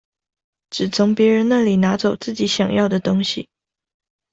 只從別人那裡拿走自己想要的東西